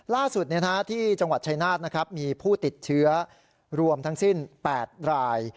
ล่าสุดที่จังหวัดชายนาฏมีผู้ติดเชื้อรวมทั้งสิ้น๘ราย